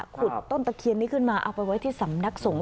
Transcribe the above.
ขุดต้นตะเคียนนี้ขึ้นมาเอาไปไว้ที่สำนักสงฆ